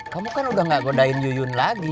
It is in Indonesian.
kamu kan udah gak godain yuyun lagi